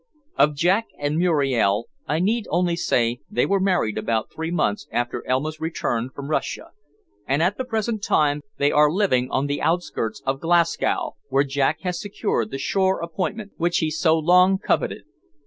Of Jack and Muriel I need only say they were married about three months after Elma's return from Russia, and at the present time they are living on the outskirts of Glasgow, where Jack has secured the shore appointment which he so long coveted.